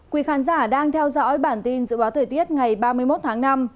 quý khán giả đang theo dõi bản tin dự báo thời tiết ngày ba mươi một tháng năm